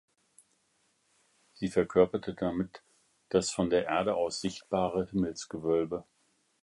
Sie verkörperte damit das von der Erde aus sichtbare Himmelsgewölbe.